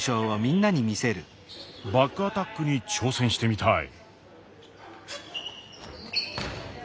バックアタックに挑戦してみたい。